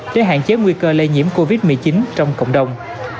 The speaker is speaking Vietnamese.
để hạn chế nguy cơ lây nhiễm covid một mươi chín trong cộng đồng